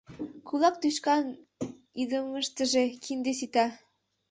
— Кулак тӱшкан идымыштыже кинде сита.